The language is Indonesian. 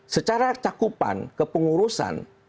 secara cakupan kepengurusan